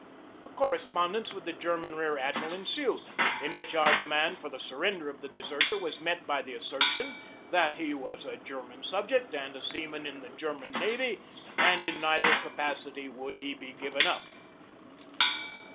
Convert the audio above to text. A correspondence with the German rear admiral ensued, in which our demand for the surrender of the deserter was met by the as sertion that he was a German subject and a seaman in the German Navy, and in neither capacity would he be given up.